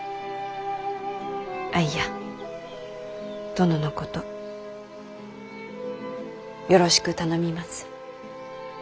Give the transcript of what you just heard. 殿のことよろしく頼みます。